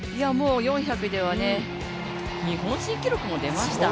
４００では日本新記録も出ました。